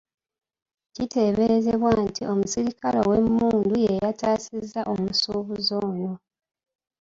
Kiteeberezebwa nti omuserikale ow'emmundu ye yataasizza omusuubuzi ono.